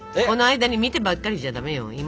この間に見てばっかりじゃダメよ。